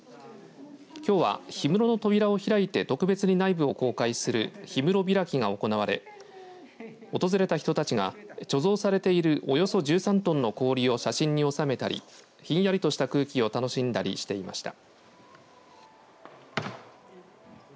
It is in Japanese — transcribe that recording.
きょうは氷室の扉を開いて特別に内部を公開する氷室開きが行われ訪れた人たちが貯蔵されているおよそ１３トンの氷を写真に収めたりひんやりとした空気を楽しんだりしていました。